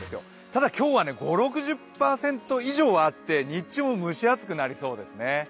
ただ今日は５０６０％以上はあって日中も蒸し暑くなりそうですね。